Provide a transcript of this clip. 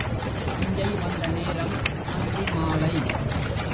தஞ்சை வந்த நேரம் அந்தி மாலை.